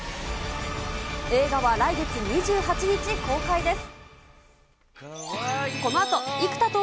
映画は来月２８日公開です。